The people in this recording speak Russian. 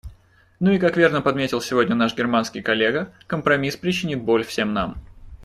Ну и как верно подметил сегодня наш германский коллега, компромисс причинит боль всем нам.